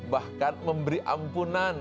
bahkan memberi ampunan